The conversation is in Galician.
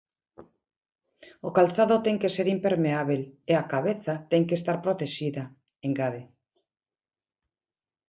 "O calzado ten que ser impermeábel e a cabeza ten que estar protexida", engade.